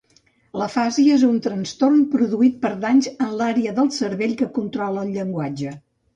L'afàsia és un trastorn produït per danys en l’àrea del cervell que controla el llenguatge.